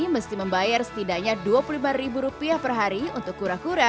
mesti membayar setidaknya dua puluh lima ribu rupiah per hari untuk kura kura